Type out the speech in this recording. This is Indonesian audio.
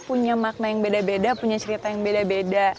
punya makna yang beda beda punya cerita yang beda beda